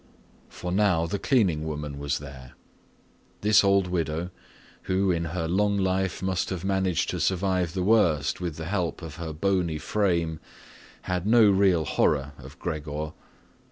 For now the cleaning woman was there. This old widow, who in her long life must have managed to survive the worst with the help of her bony frame, had no real horror of Gregor.